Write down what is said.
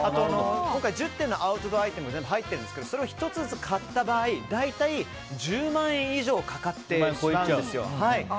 今回１０点のアウトドアアイテムが入っているんですがそれを１つずつ買った場合大体１０万円以上かかってしまうんですよ。